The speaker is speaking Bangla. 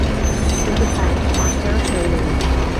কিন্তু হায় মাস্টারও ছাড়িল না।